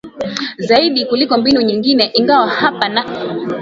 zaidi kuliko mbinu nyingine ingawa hapa na